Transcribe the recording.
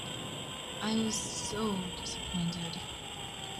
I was so dissappointed.